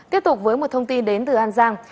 tiếp tục với một thông tin đến từ an giang